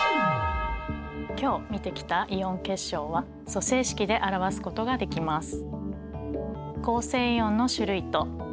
今日見てきたイオン結晶は組成式で表すことができます。